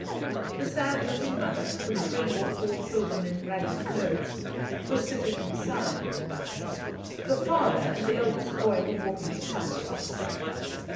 The sad looking mother, with three or four children in ragged clothes, was sitting inside; the father and the eldest boy were walking beside the oxen.